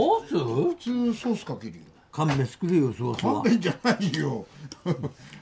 勘弁じゃないよ。